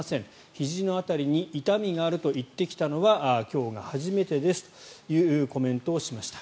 ひじの辺りに痛みがあると言ってきたのは今日が初めてですというコメントをしました。